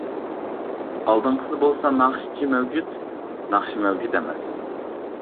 ئالدىنقىسىدا بولسا ناخشىچى مەۋجۇت ناخشا مەۋجۇت ئەمەس.